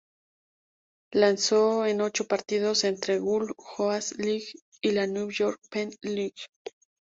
Lanzó en ocho partidos entre la "Gulf Coast League" y la "New York-Penn League".